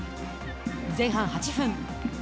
前半８分。